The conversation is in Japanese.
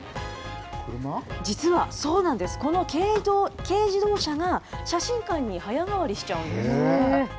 実はこの軽自動車が写真館に早変わりしちゃうんです。